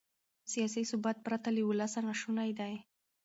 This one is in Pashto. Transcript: سیاسي ثبات پرته له ولسه ناشونی دی.